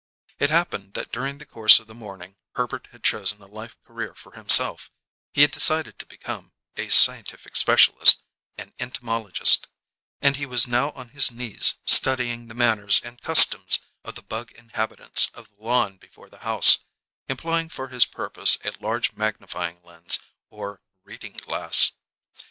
It happened that during the course of the morning Herbert had chosen a life career for himself; he had decided to become a scientific specialist, an entomologist; and he was now on his knees studying the manners and customs of the bug inhabitants of the lawn before the house, employing for his purpose a large magnifying lens, or "reading glass."